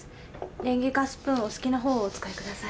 レンゲかスプーンお好きなほうをお使いください。